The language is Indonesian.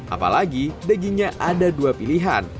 apalagi dagingnya ada dua pilihan